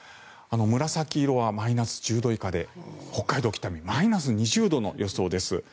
紫色はマイナス１０度以下で北海道北見はマイナス２０度の予想です。